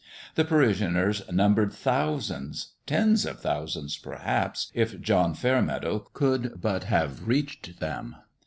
The parishioners numbered thousands tens of thousands, perhaps, if John Fairmeadow could but have reached them.